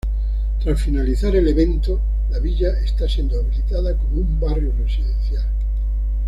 Tras finalizar el evento la villa está siendo habilitada como un barrio residencial.